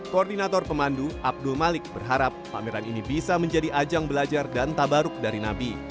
koordinator pemandu abdul malik berharap pameran ini bisa menjadi ajang belajar dan tabaruk dari nabi